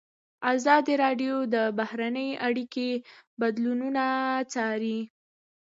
ازادي راډیو د بهرنۍ اړیکې بدلونونه څارلي.